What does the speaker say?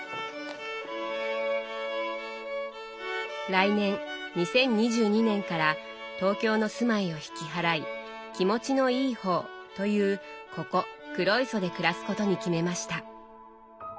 来年２０２２年から東京の住まいを引き払い「気持ちのいい方」というここ黒磯で暮らすことに決めました。